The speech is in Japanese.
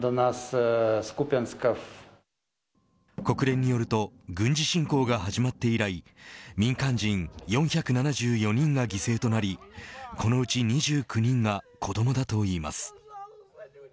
国連によると軍事侵攻が始まって以来民間人４７４人が犠牲となりこのうち２９人が子どもだといいます。